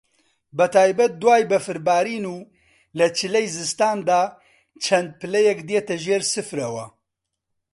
بە تایبەت دوای بەفربارین و لە چلەی زستان دا چەند پلەیەک دێتە ژێر سفرەوە